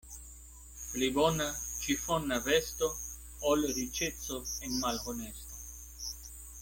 Pli bona ĉifona vesto, ol riĉeco en malhonesto.